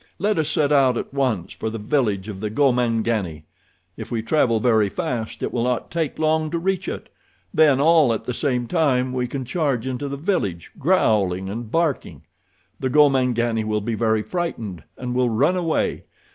Let us set out at once for the village of the Gomangani. If we travel very fast it will not take long to reach it. Then, all at the same time, we can charge into the village, growling and barking. The Gomangani will be very frightened and will run away.